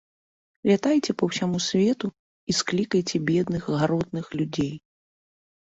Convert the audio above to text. Лятайце па ўсяму свету і склікайце бедных, гаротных людзей!